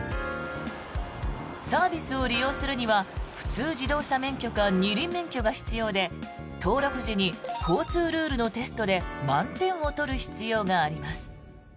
サービスを利用するには普通自動車免許か二輪免許が必要で登録時に交通ルールのテストで満点を取る必要があります。